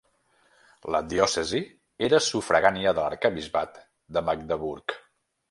La diòcesi era sufragània de l'Arquebisbat de Magdeburg.